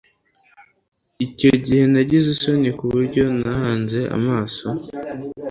Icyo gihe nagize isoni kuburyo nahanze amaso